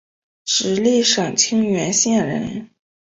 直隶省清苑县人。